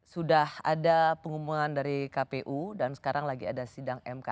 sudah ada pengumuman dari kpu dan sekarang lagi ada sidang mk